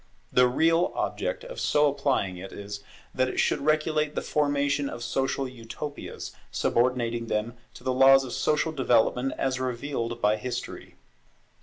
The real object of so applying it is, that it should regulate the formation of social Utopias; subordinating them to the laws of social development as revealed by history.